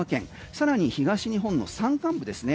更に東日本の山間部ですね